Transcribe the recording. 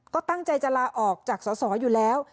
ก็ตั้งใจจะลาออกจากสอสออยู่แล้ว